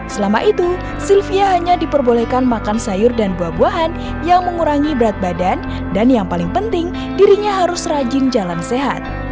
selama itu sylvia hanya diperbolehkan makan sayur dan buah buahan yang mengurangi berat badan dan yang paling penting dirinya harus rajin jalan sehat